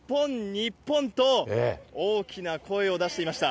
日本！と大きな声を出していました。